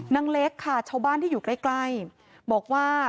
นางเล็กค่ะชาวบ้านที่อยู่ใกล้บอกว่า